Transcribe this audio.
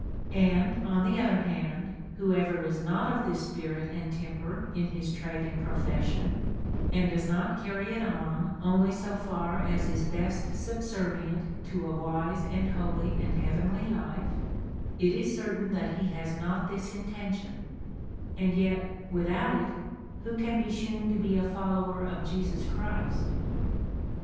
And, on the other hand, whoever is not of this spirit and temper in his trade and profession, and does not carry it on only so far as is best subservient to a wise, and holy, and heavenly life, it is certain that he has not this intention ; and yet, without it, who can be shewn to be a follower of Jesus Christ?